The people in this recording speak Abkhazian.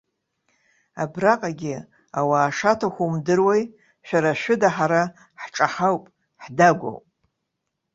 Абраҟагьы ауаа шаҭаху умдыруеи, шәара шәыда ҳара ҳҿаҳауп, ҳдагәоуп.